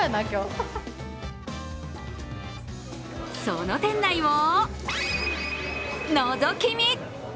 その店内をのぞき見。